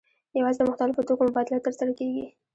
یوازې د مختلفو توکو مبادله ترسره کیږي.